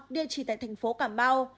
điều trị tại thành phố cà mau